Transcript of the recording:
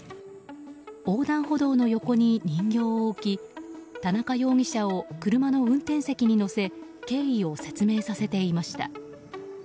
横断歩道の横に人形を置き田中容疑者を車の運転席に乗せ経緯を説明させていました。